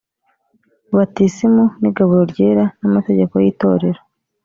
batisimu n igaburo ryera n amategeko y itorero